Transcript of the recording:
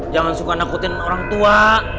jangan suka nakutin orang tua